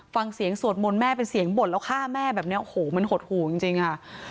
สวดมนต์แม่เป็นเสียงบ่นแล้วฆ่าแม่แบบนี้โอ้โหมันหดหู่จริงค่ะ